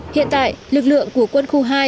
hiện tại lực lượng của quân khu hai